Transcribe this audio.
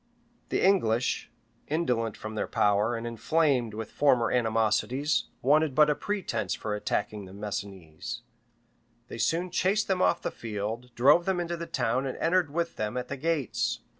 [*] The English, indolent from their power, and inflamed with former animosities, wanted but a pretence for attacking the Messinese: they soon chased them off the field, drove them into the town, and entered with them at the gates.